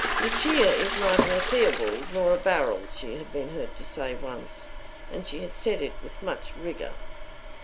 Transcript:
"Lucia is neither a Theobald nor a Barold," she had been heard to say once, and she had said it with much rigor.